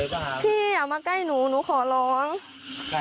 อุ้ยทีนี้มันน่ากลัวเหลือเกินค่ะ